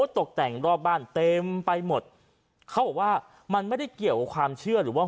ตกแต่งรอบบ้านเต็มไปหมดเขาบอกว่ามันไม่ได้เกี่ยวกับความเชื่อหรือว่า